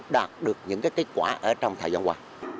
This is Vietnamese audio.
đạt được những kết quả ở trong thời gian qua